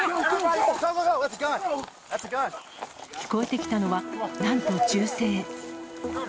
聞こえてきたのは、なんと銃声。